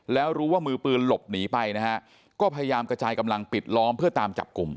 แล้วรู้ว่ามือปืนหลบหนีไปนะฮะก็พยายามกระจายกำลังปิดล้อมเพื่อตามจับกลุ่ม